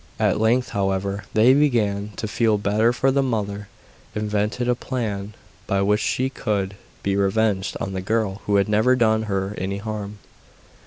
At length, however, they began to feel better, for the mother invented a plan by which she could be revenged on the girl who had never done her any harm.